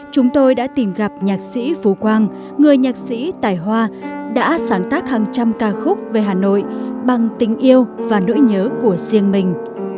chúng tôi đã tìm gặp nhạc sĩ phú quang người nhạc sĩ tài hoa đã sáng tác hàng trăm ca khúc về hà nội bằng tình yêu và nỗi nhớ của riêng mình